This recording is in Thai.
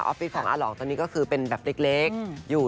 ฟิศของอาหลองตอนนี้ก็คือเป็นแบบเล็กอยู่